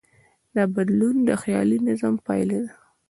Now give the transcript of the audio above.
دا بدلون د خیالي نظم پایله ده.